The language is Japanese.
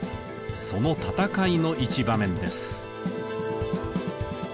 その戦いの一場面です。